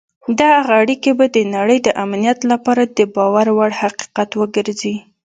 دغه اړیکي به د نړۍ د امنیت لپاره د باور وړ حقیقت وګرځي.